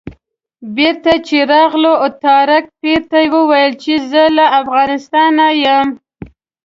بېرته چې راغلو طارق پیر ته وویل چې زه له افغانستانه یم.